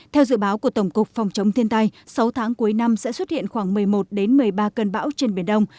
theo dự báo của tổng cục phòng chống thiên tai sáu tháng cuối năm sẽ xuất hiện khoảng một mươi một một mươi ba cơn bão trên biển đông